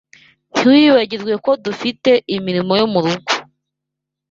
Ntiwibagirwe ko dufite imirimo yo mu rugo.